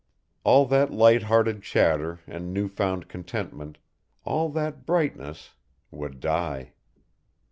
All that light hearted chatter and new found contentment, all that brightness would die.